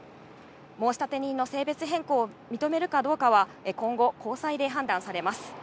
申立人の性別変更を認めるかどうかは、今後、高裁で判断されます。